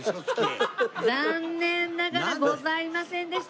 残念ながらございませんでした。